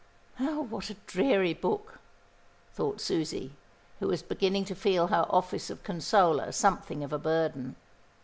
"Oh, what a dreary book," thought Susie, who was beginning to feel her office of consoler something of a burden.